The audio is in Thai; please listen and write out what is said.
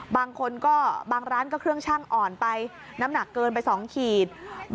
บางคนก็บางร้านก็เครื่องชั่งอ่อนไปน้ำหนักเกินไป๒ขีด